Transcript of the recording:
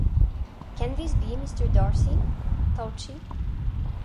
“Can this be Mr. Darcy?” thought she.